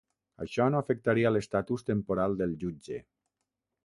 Això no afectaria l'estatus temporal del jutge.